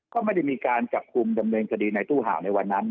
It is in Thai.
ก็ไม่ได้มีการจับกลุ่มดำเนินคดีในตู้ห่าวในวันนั้น